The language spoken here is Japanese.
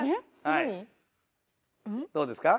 ・どうですか？